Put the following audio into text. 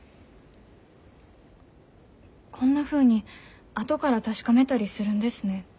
こんなふうに後から確かめたりするんですね。